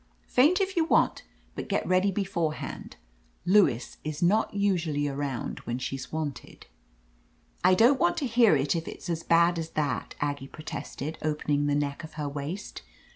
Faint if you want, but get ready beforehand. Lewis is not usually around when she's wanted." "I don't want to hear it if it's as bad as that," Aggie protested, openiri^ the neck of her waist.